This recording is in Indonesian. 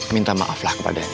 minta maaflah kepadanya